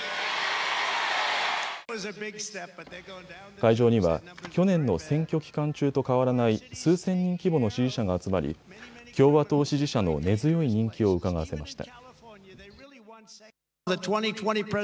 会場には去年の選挙期間中と変わらない数千人規模の支持者が集まり共和党支持者の根強い人気をうかがわせました。